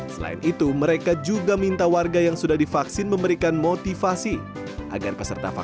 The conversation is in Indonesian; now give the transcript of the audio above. selain itu mereka juga minta warga yang sudah divaksin memberikan air minum dan air minum untuk penyiasatnya